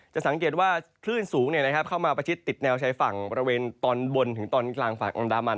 จะสังเกตว่าคลื่นสูงเข้ามาประชิดติดแนวชายฝั่งบริเวณตอนบนถึงตอนกลางฝั่งอันดามัน